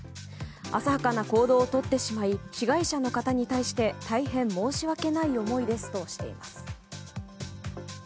浅はかな行動をとってしまい被害者の方に対して大変申し訳ない思いですとしています。